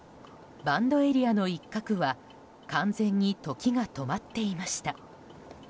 バンドエリアの一角は完全に時が止まっていました。